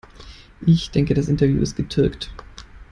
Ich denke, das Interview ist getürkt.